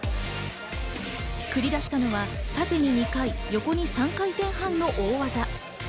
繰り出したのは縦に２回、横に３回転半の大技。